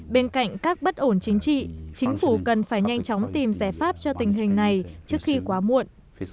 bên cạnh các bất ổn chính trị chính phủ cần phải nhanh chóng tìm giải pháp cho tình hình này trước khi quá muộn